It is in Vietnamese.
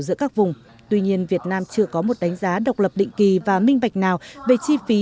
giữa các vùng tuy nhiên việt nam chưa có một đánh giá độc lập định kỳ và minh bạch nào về chi phí